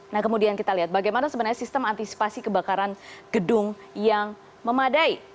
nah kemudian kita lihat bagaimana sebenarnya sistem antisipasi kebakaran gedung yang memadai